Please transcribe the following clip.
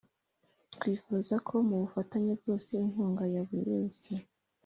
twifuza ko mu bufatanye bwose inkunga ya buri wese